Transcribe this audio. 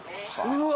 うわ。